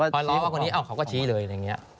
พอชี้ว่าคนนี้เขาก็ชี้เลยอะไรอย่างนี้